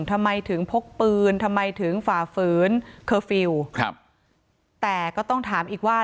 ทำไมถึงพกปืนทำไมถึงฝ่าฝืนเคอร์ฟิลล์ครับแต่ก็ต้องถามอีกว่า